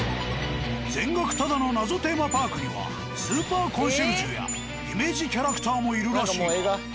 全額タダの謎テーマパークにはスーパーコンシェルジュやイメージキャラクターもいるらしいが。